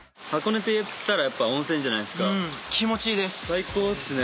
最高っすね